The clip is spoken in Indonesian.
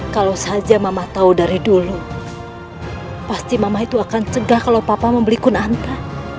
kalau saja mama tahu dari dulu pasti mama itu akan cegah kalau papa membeli kunanta